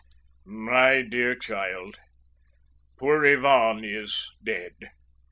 "My dear child, poor Ivan is dead!"